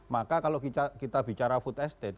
maka kalau kita bicara food estate